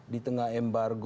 di tengah embargo